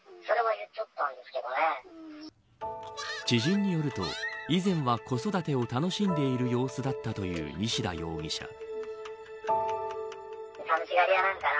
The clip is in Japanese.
知人によると以前は子育てを楽しんでいる様子だったという西田容疑者。